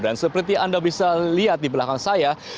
dan seperti anda bisa lihat di belakang saya